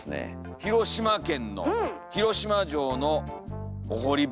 広島県の広島城のお堀端。